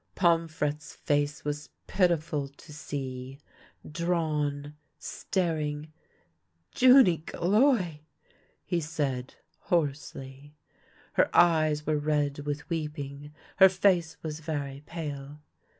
Pomfrette's face was pitiful to see — drawn, staring. " Junie Gauloir !" he said hoarsely. Her eyes were red with weeping, her face was very pale.